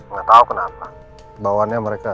nggak tahu kenapa bauannya mereka